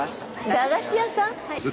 駄菓子屋さん？